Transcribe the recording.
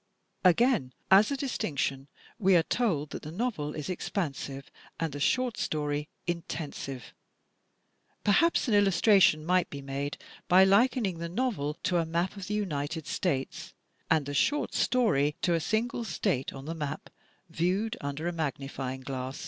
Again, as a distinction, we are told that the novel is ex pansive and the short story intensive. Perhaps an illustra tion might be made by likening the novel to a map of the United States, and the short story to a single state on the map viewed under a magnifying glass.